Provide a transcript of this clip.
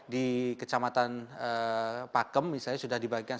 di kecamatan pakem misalnya sudah dibagikan